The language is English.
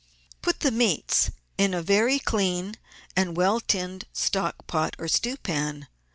— Put the meats in a very clean and well tinned stockpot or stewpan.